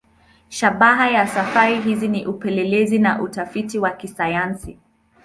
Shabaha ya safari hizi ni upelelezi na utafiti wa kisayansi.